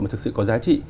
mà thực sự có giá trị